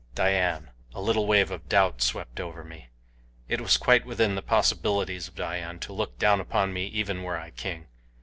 Dian! A little wave of doubt swept over me. It was quite within the possibilities of Dian to look down upon me even were I king.